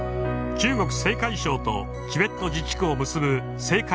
中国・青海省とチベット自治区を結ぶ青海